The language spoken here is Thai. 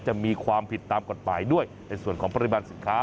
จะมีความผิดตามกฎหมายด้วยในส่วนของปริมาณสินค้า